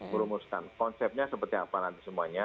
merumuskan konsepnya seperti apa nanti semuanya